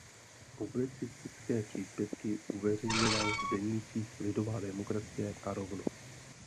Publicistické příspěvky uveřejňoval v denících "Lidová demokracie" a "Rovnost".